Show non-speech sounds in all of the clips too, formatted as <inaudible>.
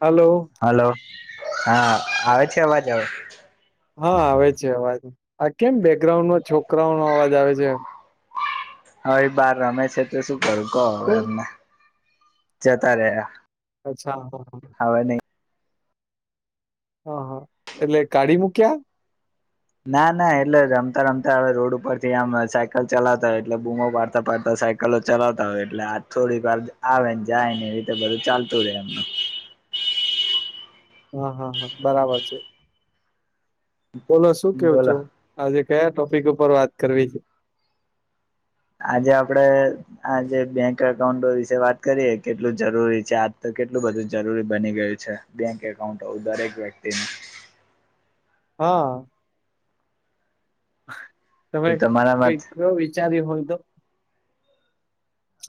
હાલો hello હા આવે છે અવાજ હવે હા આવે છે અવાજ આ કેમ બેકગ્રાઉન્ડો છોકરાઓ નો અવાજ આવે છે હવે બાર રમે છે તો શું કરું કો હવે કોણ એમને જતા રહ્યા અચ્છા હ હ હવે નઈ હ હ એટલે કાળી મુકિયા ના ના એટલે રમતા રમતા હવે રોડ ઉપર થી આમ સાયકલ ચલાતા હો એટલે બૂમો પાડતા પડતા સાયકલ કલો ચલાવતા હોય એટલે આ થોડી વાર આવે ને જાય ને એ રીતે બધું ચાલતું રહેે એમનું હ હ હ બરાબર છે બોલો શું કયો છો બોલો આજે કયા ટોપિક ઉપર વાત કરવી છે આજે આપડે આજે બેંક એકાઉન્ટો વિશે વાત કરીએ કેટલું જરૂરી છે આજ તો કેટલું બધું જરૂરી બની ગયું છે બેંક એકાઉન્ટ દરેક વ્યક્તિની હ તમે તો તમારા કઈ કયો વિચાર્યું હોય તો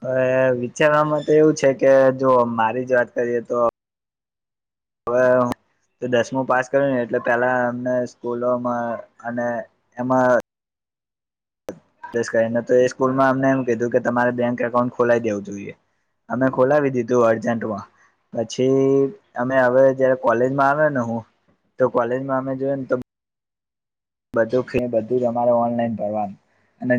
હવે વિચારવામાં તો એવું છે કે જો મારી જ વાત કરીએ તો હવે તો દસમું પાસ કર્યું ને એટલે પેલા અમને સ્કૂલોમાં અને એમાં કરીને તો, એ સ્કૂલમાં અમને એમ કીધું કે, તમારે બેંક એકાઉન્ટ ખોલાઈ દેવું જોઈએ. અમે ખોલાવી દીધું અર્જન્ટમાં. પછી અમે હવે જયારે કોલેજમાં આવે ને, હું તો કોલેજમાં અમે જોય ને તો. બધું ખ બધું તમારે ઓનલાઈન ભરવાનું, અને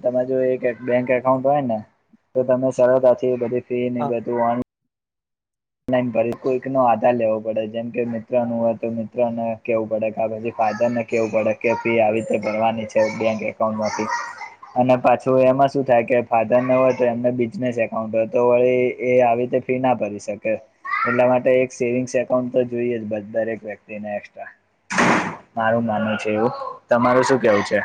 તમા જો એક બેંક એકાઉન્ટ હોય ને, તો તમે સરળતાથી બધી. એ ને હા બધું વાણી. લાન ભ કોઈક નો આધાર લેવો પડે, જેમ કે મિત્ર નું હોય તો, મિત્ર ને કેવું પડે કે, પછી ફાયદર. કેવું પડે કે, ફી આવી રીતે ભરવાની છે, બેંક એકાઉન્ટમાંથી. અને પાછું એમાં શું થાય કે, ફાધરને હોય તો, એમને બિઝનેસ એકાઉન્ટ હોય તો, વળી એ આવી રીતે ફી ના ભરી શકે. એટલા માટે એક સેવિંગ્સ એકાઉન્ટ તો જોઈએ, જ બધા ને એક વ્યક્તિને એકસ્ટ્રા. મારું માનવ છે, એવું તમારું શું કેવું છે?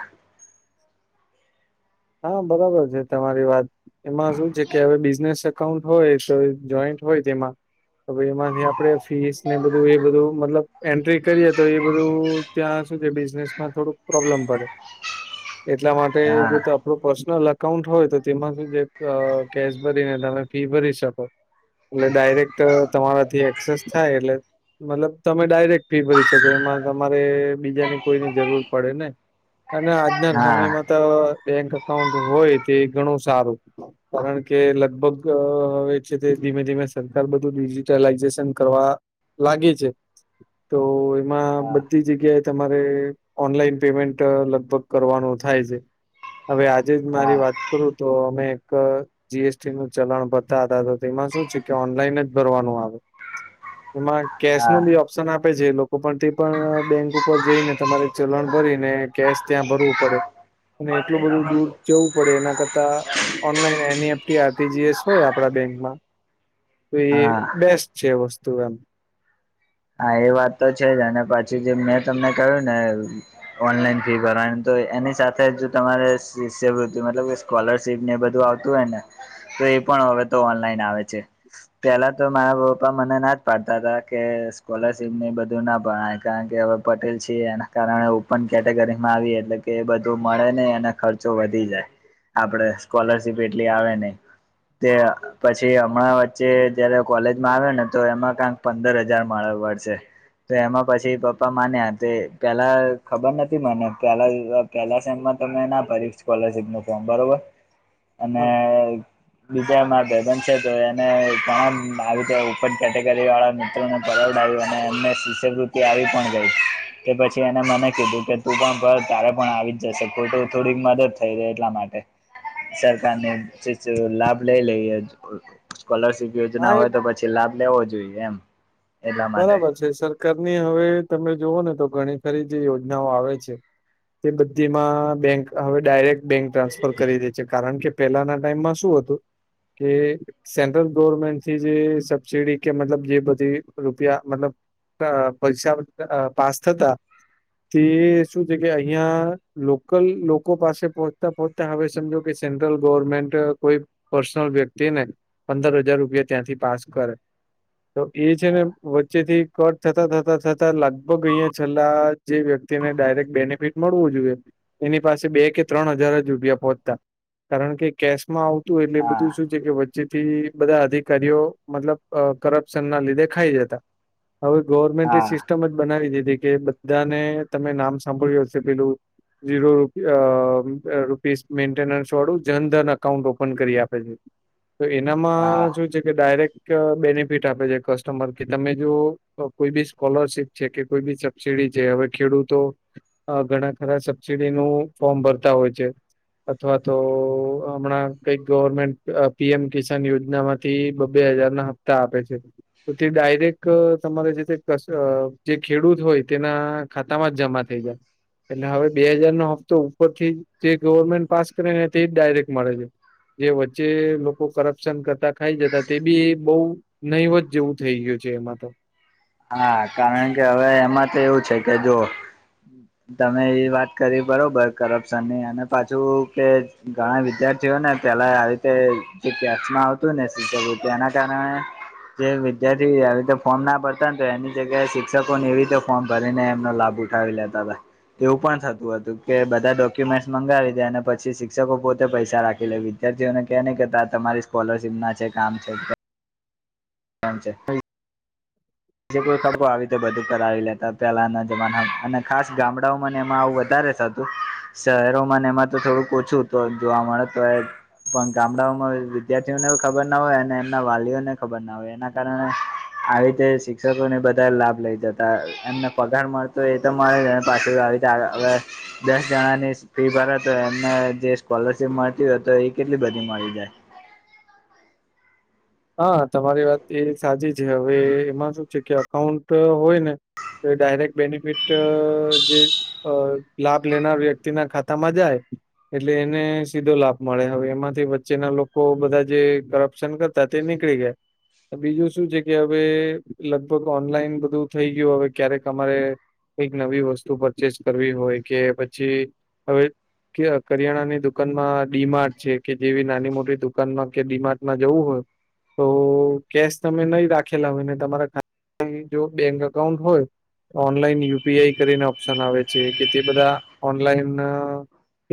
હા, બરોબર છે, તમારી વાત એમાં શું છે કે, હવે બિઝનેસ અઉન્ટ હોય તો, જોઈન્ટ હોય, તેમાં તો એમાંથી. આપે ફીસ ને, બધું એ બધું મતલબ. એન્ટ્રી કરીએ તો, એ બધું ત્યાં સુધી બિઝનેસ માં થોડુંક પ્રોબ્લેમ પડે. એટલા માટે હા જો તો. આપ પર્સનલ અકાઉન્ટ હોય તો, તેમાં સુધ કેશ ભરીને, તમે ફી ભરી શકો. એટલે ડાયરેક્ટ તમારાથી એક્સેસ થાય એટલે. મતલબ, તમે ડાયરેક્ટ ફી ભરી શકો, એમાં તમારે બીજાની કોઈની જરૂર પડે ને. અને આજના હા સમયમાં તો બેંક અકાઉન્ટ હોય, તે ઘણું સારું. કારણ કે લગભગ હવે છે, તે ધીમે-ધીમે સરકાર બધું ડિજિટલાઈઝેશન કરવા. લાગે છે, તો એમાં હા બધી જગ્યાએ તમારે. ઓનલાઈન પેમેન્ટ લગભગ કરવાનું થાય છે. હવે આજે જ મારી હા વાત કરું, તો અમે એક. જીએસટી નું ચલણ બતા હતા તો, તેમાં શું છે કે, ઓનલાઈન જ ભરવાનું આવે. હા. એમાં કેશ નું બી ઓપ્શન આપે છે, એ લોકો પણ તે પણ બેંક ઉપર જઈને, તમારે ચલણ ભરીને કેશ. ત્યાં ભરવું પડે. અને એટલું બધું દૂર જવું પડે, એના કરતા. ઓનલાઈન એનએફટી આપતી જઈએ હોય, આપણા બેંકમાં. તો એ હા બેસ્ટ છે, વસ્તુ એમ. હા એ વાત તો છે જ, અને પછી જે મેં તમને કહ્યું ને. ઓનલાઈન ફી ભરવાની તો, એની સાથે જ તમારે શિષ્યવૃતિ મતલબ. સ્કોલરશીપ ને, એ બધું આવતું હોય ને, તો એ પણ હવે તો ઓનલાઈન આવે છે. પેલા તો મારા પપ્પા મને ના જ પાડતા હતા કે. સ્કોલરશીપ બધું ના ભણાય, કારણ કે હવે પટેલ છે, એના કારણે ઓપન કેટેગરીમાં આવી એટલે. કે એ બધું મળે નહી, અને ખર્ચો વધી જાય, આપડે સ્કોલરશીપ એટલી આવે નહીં. તે પછી હમણાં વચ્ચે જયારે કોલેજમાં આવ્યો ને, તો એમાં કંક પંદર હજાર. મા વાડ છે <unintelligible> તો એમાં પછી પપ્પા માન્યા તે, પેલા ખબર નથી મને પેલા. પેલામાં તમે ના સ્કોલશપ નું ફોર્મ બરોબર, અને હા બીજા એમાં ભબન છે, તો એને તમા આવી રીતે કેટેગરી વાળા મિત્રો. પરવડાવી અને એમને શિષ્યવૃત્તિ આવી પણ ગઈ. કે પછી એને મને કીધું કે, તું પણ તારે પણ આવી જશે, ખો થોડીક મદદ થઈ એટલા માટે. સરકાર ને લાભ લઈ લઈએ સ્કોલરશિપ હા યોજના એ હોય તો પછી લાભ લેવો જોઈએ એમ એટલા માટે બરાબર છે સરકારની હવે તમે જોવો ને તો ઘણી ખરી જે યોજનાઓ આવે છે તે બધી માં બેંક હવે ડાયરેક્ટ બેંક ટ્રાન્સફર કરી દે કારણ કે પેલાના ટાઈમમાં શું હતું કે સેન્ટ્રલ ગવર્મેન્ટ થી જે સબસીડી કે મતલબ જે બધી રૂપિયા મતલબ પરીક્ષા પાસ થતા તે શું છે કે અહિયાં લોકલ લોકો પાસે પહોંચતા પો તા હવે સમજો કે સેન્ટ્રલ ગવર્મેન્ટ કોઈ પર્સનલ વ્યક્તિ ને પંદર હજાર રૂપિયા ત્યાંથી પાસ કરે તો એ છે ને હા વચ્ચેથી કટ થતા થતા થતા લગભગ અહિયાં છેલ્લા જે વ્યક્તિને ડાયરેક્ટ બેનિફિટ મળવું જોઈએ એની પાસે બે કે ત્રણ હજાર જ રૂપિયા પહોંચતા કારણ કે કેશમાં આવું તું એટલે હા બધું શું છે કે જેથી બધા અધિકારીઓ મતલબ કરપ્શન ના લીધે ખાઈ જતા હવે ગવર્મેન્ટ એ હા સિસ્ટમ જ બનાવી દીધી કે બધાને તમે નામ સાંભળ્યું હશે પેલું ઝીરો અ રૂપીસ મેન્ટેનન્સ વાળું જનધન અકાઉન્ટ ઓપન કરી આપે છે તો એનામાં હા શું છે કે ડાયરેક્ટ બેનિફિટ આપે છે કસ્ટમર કે તમે જો કોઈ બી સ્કોલરશીપ છે કે કોઈ બી સબસીડી છે હવે ખેડૂતો અ ઘણા ખરા સબસીિડીનું ફોર્મ ભરતા હોય છે અથવા તો હમણાં કઈક ગવર્મેન્ટ પીએમ કિસાન યોજનામાં થી બબ્બે હજાર ના હપ્તા આપે છે તો તે ડાયરેક્ટ તમારે જે જે ખેડૂત હોય તેના ખાતામાં જ જમા થઈ જાય એટલે હવે બે હાજારનો હપ્તો ઉપર થી જે ગવર્મેન્ટ પાસ કરે ને તેજ ડાયરેક્ટ મળે છે જે વચ્ચે લોકો કરપ્શન કરતા ખાઈ જતા તે બી બઉ નહી વધ જેવું થઈ ગયું છે એમાં તો હા કારણ કે હવે એમાં તો એવું છે કે જો તમે એ વાત કરી બરાબર કર--પ્શનની અને પાછું કે ઘણા વિદ્યાર્થીઓને પહેલા આવી કે જે કેસમાં આવતું હોય ને સિક્યોરિટી એના કારણે જે વિદ્યાર્થી આવી રીતે ફોન ના પડ તા તો એની જગ્યાએ શિક્ષકોને એવી રીતે ફોર્મ ભરીને એમનો લાભ ઉઠાવી લેતા હતા એવું પણ થતું હતું કે બધા ડોક્યુમેન્ટસ મંગાવી દે અને પછી શિક્ષકો પોતે પૈસા રાખી લે વી દ્યાર્થીઓને કે ની કેતા તમારી સ્કોલરશીપ ના છે કામ છે કામ છે જે કોઈ <unintelligible> આવી તો બધું પર આવી લેતા પેલાના જમાનામાં અને ખાસ ગામડાઓ મને એમાં આવું વધારે થ તું શહેરોમાં ને એમાં તો થોડુંક ઓછું તો જોવા મળે તો પણ ગામડાઓમાં વિદ્યાર્થીઓને ખબર ના હોય અને એમના વાલીઓને ખબર ના હોય એના કારણે આવી રીતે શી શિક્ષકોને બધા લાભ લઇ જતા એમને પગાર મળતો એ તોરે પાછ આવી જ હવે દસ જણા ની ફી ભરે તો એમને જે સ્કોલરશીપ મળતી હોય તો એ કેટલી બધી મળી જાય. હા તમારી વાત એ સાચી છે હવે એમાં શું છે કે અકાઉન્ટ હોય ને તો ડાયરેક્ટ બેનિફિટ જે અ લાભ લેનાર વ્યક્તિ ના ખાતા માં જાય. એટલે એને સીધો લાભ મળે હવે એમાંથી વચ્ચેના લોકો બધા જે કરપ્શન કર તા તે નીકળી ગયા. બીજું શું છે કે હવે લગભગ ઓનલાઈન બધું થઈ ગયું હવે ક્યારેક અમારે કઈક નવી વસ્તુ પરચેસ કરવી હોય કે પછી હવે કે કરિયાણાની દુકાનમાં ડીમાર્ટ છે કે જેવી નાની મોટી દુકાનમાં કે ડી -માર્ટમાં જવું હોય તો કેશ તમે નહી રાખેલા હોયને તમારા <unintelligible> જો બેંક અકાઉન્ટ હોય ઓનલાઈન યુપીઆઈ કરીને ઓપ્શન આવે છે કે તે બધા ઓનલાઈન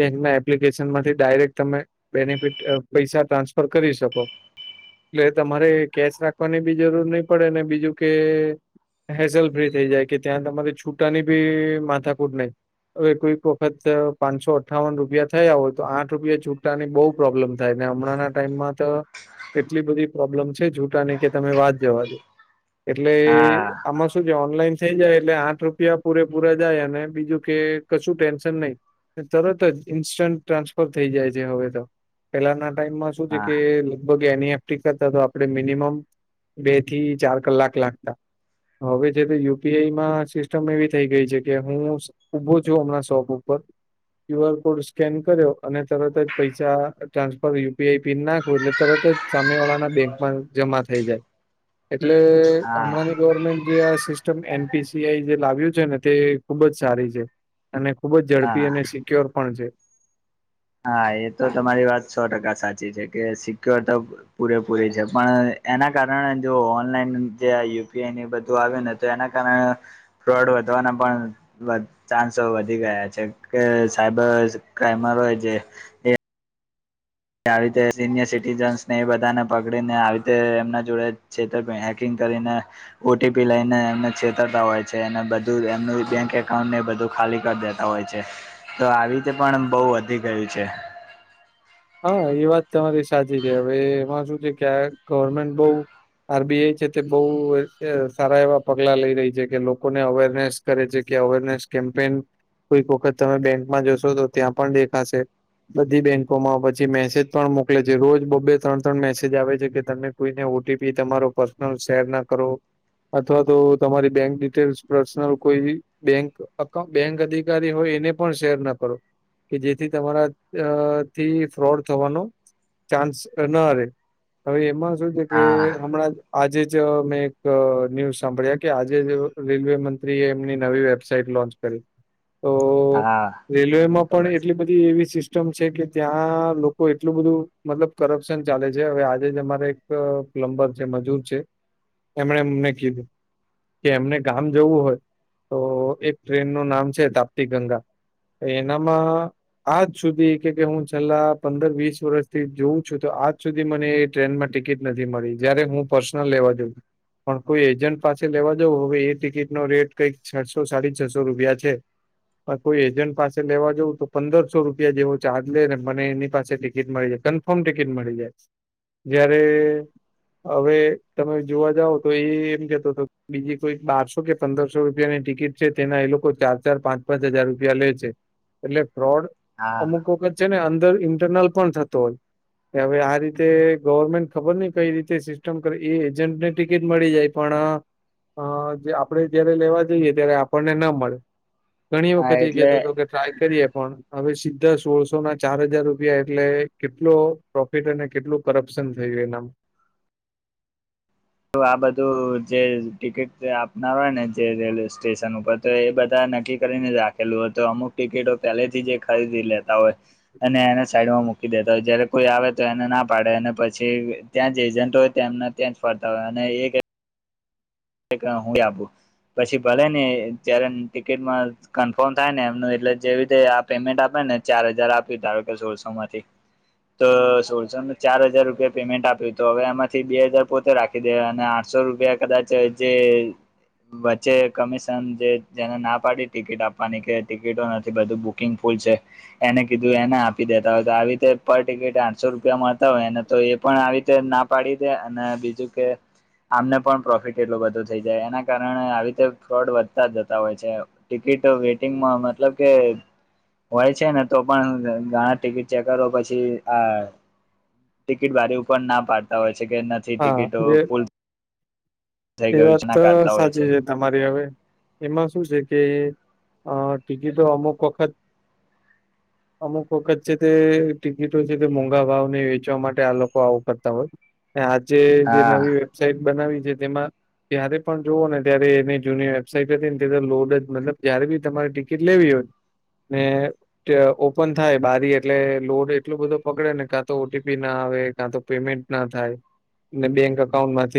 બેંકના એપ્લિકેશન માંથી ડાયરેક્ટ તમે બેનિફિટ પૈસા ટ્રાન્સફર કરી શકો. એટલે તમારે કેશ રાખવાની બી જરૂર નહી પડે ને બીજું કે હેસેલ ફ્રી થઈ જાય કે ત્યાં તમારી છૂટાની બી માથાકૂટ નહી. હવે કોઈક વખત પાંચસો અઠ્ઠાવન રૂપિયા થયા હોય તો આઠ રૂપિયા છૂટાની બઉ પ્રોબ્લેમ થાય ને હમણાં ટાઈમમાં તો એટલી બધી પ્રોબ્લેમ છે જૂટાને કે તમે વાત જવા દો. એટલે હા આમાં શું જે ઓનલાઈન થઈ જાય એટલે આઠ રૂપિયા પૂરે પૂરા જાય અને બીજું કે કશું ટેન્શન નહી. તરત જ ઈન્સ્ટન્ટ ટ્રાન્સફર થઈ જાય છે હવે તો પહેલાના ટાઈમમાં શું છે હા કે લગભગ એનીએફટી કરતા તો આપણેે મિનિમમ બે થી ચાર કલાક લાગતા. હવે છે તો યુપીઆઈમાં સિસ્ટમ એવી થઈ ગઈ છે કે હું ઉભો છું હમણાં શોપ ઉપર ક્યુ આર કોડ સ્કેન કર્યો અને તરત જ પૈસા ટ્રાન્સફર યુપીઆઈ પિન નાખો એટલે તરત જ સામે વાળાના બેંકમાં જમા થઈ જાય એટલે હા હમણાંની ગવર્મેન્ટ જે આ સિસ્ટમ એનપીસીઆઈ જે લાવ્યું છે ને તે ખુબ જ સારી છે. અને ખુબ જ ઝડપી હા અને સિક્યોર પણ છે. હા એ તો તમારી વાત સો ટકા સાચી છે કે સિક્યોર તો પૂરેપૂરી છે પણ એના કારણે જો ઓનલાઈન જે યુપીઆઈ ને બધું આવેને એના કારણે ફ્રોડ વધવાના પણ ચાન્સો વધી ગયા છે કે સાયબર ક્રાઈમરો હોય જે કે આવી રીતે સિનિયર સિટીઝન ને એ બધાને પકડીને આવી રીતે એમના જોડે છે હેકિંગ કરીને ઓટીપી લઈને એમને ચેતવતા હોય છેને બધું એમનું બેંક એકાઉન્ટને બધું ખાલી કરી દેતા હોય છે, તો આવી રીતે પણ બહુ વધી ગયું છે. હા, એ વાત તમારી સાચી છે. હવે, એમાં શું છે કે ગવર્મેન્ટ બહુ આરબીઆઈ છે તે બહુ સારા એવા પગલા લઈ રહી છે કે લોકોને અવેરનેસ દરેક જગ્યાએ અવેરનેસ કેમ્પેન કોઈક વખત તમે બેંકમાં જશો, તો ત્યાં પણ દેખાશે. બધી બેંકો માં પછી મેસેજ પણ મોકલે છે. રોજ બબે ત્રણ ત્રણ મેસેજ આવે છે કે તમે કોઈને ઓટીપી તમારા પર શેર ના કરો અથવા તો તમારી બેંક ડિટેલ્સ પર્સનલ કોઈ બી બેંક અકાઉન્ટ બેંક અધિકારી હોય, એને પણ શેર ના કરો. કે જેથી તમારા અ થી ફ્રોડ થવાનો ચાન્સ ના રે હવે, એમાં શું છે કે હા હમણાં આજે જ મેં એક ન્યૂઝ સાંભળ્યા કે આજે રેલવે મંત્રી એ એમની નવી વેબ સાઇટ લોન્ચ કરી તો હા મને રેલવેમાં ખબર પણ છે એટલી બધી એવી સિસ્ટમ છે કે ત્યાં લોકો એટલું બધું મતલબ કરપ્શન ચાલે છે. હવે, આજે જ અમારે એક પ્લમ્બર છે, મજૂર છે, એમણે અમને કીધું કે એમને ગામ જવું હોય, તો એક ટ્રેનનું નામ છે તાપ્તી ગંગા. એનામાં આજ સુધી કે કે હું છેલ્લા પંદર વીસ વર્ષથી જોઉં છું તો આજ સુધી મને એ ટ્રેનમાં ટિકિટ નથી મળી. જયારે હું પર્સનલ લેવા ગ્યો પણ કોઈ એજન્ટ પાસે લેવા જવું. હવે, એ ટિકિટ નો રેટ કંઈક છસો, સાડી છસો રૂપિયા છે. કોઈ એજન્ટ પાસે લેવા જઉં તો પંદરસો રૂપિયા જેવો ચાર્જ લે ને મને એની પાસે ટિકિટ મળી જાય. કન્ફર્મ ટિકિટ મળી જાય. જ્યારે હવે, તમે જોવા જાવ તો એ એમ કેતો તો હતો. બીજી કોઈ બારસો કે પંદરસો રૂપિયાની ટિકિટ છે, તેના એ લોકો ચાર ચાર, પાંચ પાંચ હજાર રૂપિયા લે છે.. એટલે ફ્રોડ હા અમુક વખત છે ને, અંદર ઇન્ટરનલ પણ થતો હોય. હવે, આ રીતે ગવર્મેન્ટ ખબર નઈ કઈ રીતે સિસ્ટમ કરે, એ એજન્ટને ટિકિટ મળી જાય. પણ અ અ જે આપણેે જયારે લેવા જઈએ, ત્યારે આપણને ના મળે. ઘણી હા વખતે એટલે કેહતો હતો કે ટ્રાય કરીએ પણ હવે, સીધા સોળો સો ના ચાર હજાર રૂપિયા એટલે કેટલો પ્રોફિટ અને કેટલું કરપ્શન થયું એના તો આ બધું જે ટિકિટ આપનાર હોયને, જે રેલવે સ્ટેશન ઉપર તો એ બધા નક્કી કરીને રાખેલું હોય, તો અમુક ટિકિટો પહેલેથી જે ખરીદી લેતા હોય. અને એને સાઈડમાં મૂકી દેતા હોય, જયારે કોઈ આવે તો એને ના પાડે અને પછી ત્યાં જ એજન્ટ હોય, તેમને ત્યાં જ ફરતા હોય અને હુંય આપું. પછી ભલેને જયારે ટિકિટમાં કન્ફર્મ થાયને એમનું એટલે જેવી રીતે આ પેમેન્ટ આપે ને ચાર હજાર આપ્યું. ધારો કે સોળસોમાંથી તો સોળસો, ચાર હજાર રૂપિયા પેમેન્ટ આપ્યું તો, હવે, એમાંથી બે હજાર પોતે રાખી. દેવાના આઠસો રૂપિયા કદાચ જે વચ્ચે કમિશન જે જેને ના પાડી ટિકિટ આપવાની કે ટિકિટો નથી. બધું બુક ફૂલ છે. એને કીધું એને આપી દેતા હોય તો, આવી રીતે પર ટિકિટ આઠસો રૂપિયામાં હોય. તો એ પણ આવી રીતે ના પાડી દે અને બીજું કે આમને પણ પ્રોફિટ કેટલું બધું થઈ જાય, એના કારણે આવી રીતે ફ્રોડ વધતા જતા હોય છે. ટિકિટ અ વેટિંગમાં મતલબ કે હોય છે ને, તો પણ ઘણા ટિકિટ ચેકરો પછી અ ટિકિટબારી ઉપર ના પાડતા હોય છે કે નથી હા ટિકિટો, એ ફૂલ થઈ એ ગયું વાત છે ના તો કાઢતા હોય છે સાચી. તમારે હવે, એમાં શું છે? કે અ ટિકિટો અમુક વખત <inaudible> અમુક વખત છે. તે ટિકિટો છે, તે મોંઘા ભાવને વેચવા માટે આ લોકો આવું કરતા હોય. આજે જે હા નવી વેબસાાઈટ બનાવી છે. તેમાં ત્યારે પણ જોઓ ને ત્યારે એની જૂની વેબસાાઈટ હતી ને તે લોડ જ મતલબ જયારે બી તમારે ટિકિટ લેવી હોય. મે ટ ઓપન થાય બારી એટલે લોડ એટલો બધો પકડે ને કાં તો ઓટીપી ના આવે કાં તો પેમેન્ટ ના થાય ને બેંક અકાઉન્ટ માંથી